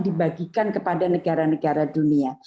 dibagikan kepada negara negara dunia